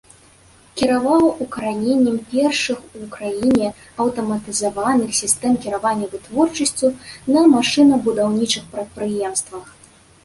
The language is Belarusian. Кіраваў укараненнем першых у краіне аўтаматызаваных сістэм кіравання вытворчасцю на машынабудаўнічых прадпрыемствах.